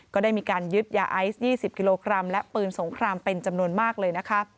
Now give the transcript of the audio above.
ก็ได้มีการยึดยาไอซ์๒๐กิโลกรัมและปืนสงครามเป็นจำนวนมากเลยนะคะ